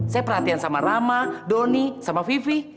saya perhatian sama rama doni sama vivi